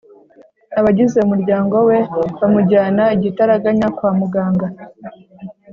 abagize umuryango we bamujyana igitaraganya kwa muganga